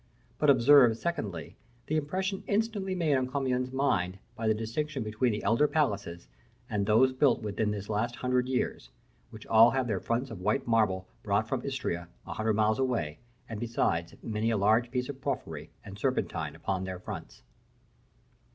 But observe, secondly, the impression instantly made on Commynes' mind by the distinction between the elder palaces and those built "within this last hundred years; which all have their fronts of white marble brought from Istria, a hundred miles away, and besides, many a large piece of porphyry and serpentine upon their fronts."